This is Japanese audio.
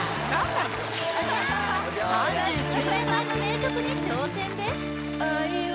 ３９年前の名曲に挑戦ですうまーい